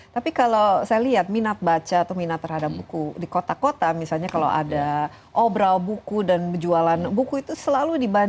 tapi kalau saya lihat minat baca atau minat terhadap buku di kota kota misalnya kalau ada obrol buku dan jualan buku itu selalu dibantu